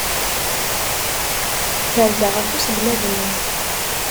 Terza ɣef uselmad-nni.